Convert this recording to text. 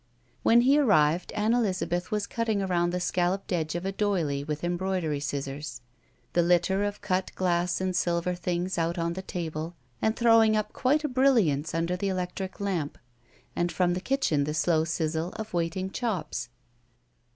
When he arrived Ann Elizabeth was cutting around the scalloped edge of a doily with embroidery scissors, the litter of cut glass and silver things out on the table and throwing up quite a brilliance under the electric lamp, and from the kitchen the slow sizzle of waiting chops.